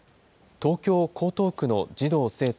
東京・江東区の児童・生徒